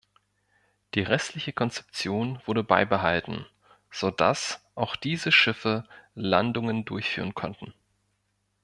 Die restliche Konzeption wurde beibehalten, so dass auch diese Schiffe Landungen durchführen konnten.